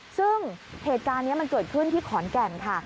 ซึ่งเหตุการณ์นี้มันเกิดขึ้นที่ขอนแก่นค่ะ